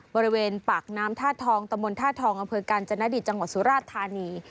บริเวณปากน้ำท่าทองตะมนต์ท่าทองอำเภอกาญจนดิตจังหวัดสุราชธานี